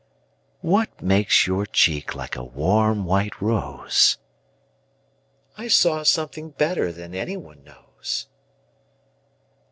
What makes your cheek like a warm white rose?I saw something better than any one knows.